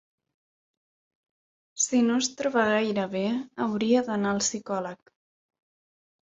Si no es troba gaire bé hauria d'anar al psicòleg.